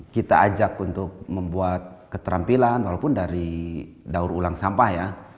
kita ajak untuk membuat keterampilan walaupun dari daur ulang sampah ya